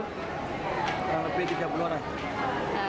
kurang lebih tiga puluh orang